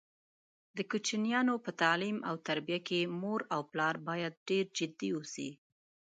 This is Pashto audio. د کوچینیانو په تعلیم او تربیه کې مور او پلار باید ډېر جدي اوسي.